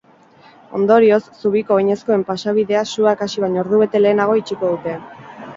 Ondorioz, zubiko oinezkoen pasabidea suak hasi baino ordubete lehenago itxiko dute.